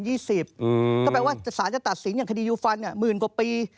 ก็แปลว่าสารจะตัดสินอย่างคดียูฟันหมื่นกว่าปี